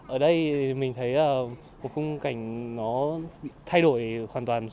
ở đây mình thấy một khung cảnh nó thay đổi hoàn toàn